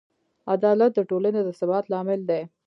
عدالت د ټولنې د ثبات لامل دی.